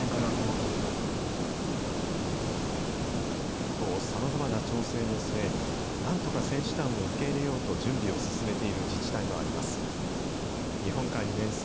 一方、さまざまな調整の末、なんとか選手団を受け入れようと準備を進めている自治体もあります。